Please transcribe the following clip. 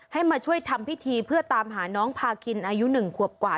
ให้มาช่วยทำพิธีเพื่อตามหาน้องพาคินอายุ๑ขวบกว่า